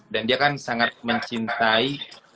dan dia kan sangat mencintai